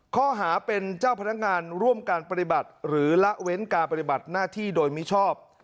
ข้อหาเป็นเจ้าพนักงานร่วมการปฏิบัติหรือละเว้นการปฏิบัติหน้าที่โดยมิชอบ